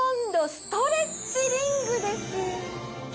ストレッチリング？